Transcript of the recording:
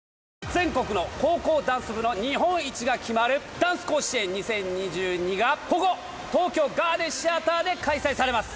全国の高校ダンス部の日本一が決まるダンス甲子園２０２２がここ、東京ガーデンシアターで開催されます。